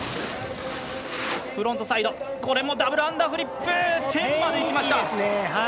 フロントサイドこれもダブルアンダーフリップ１０８０までいきました！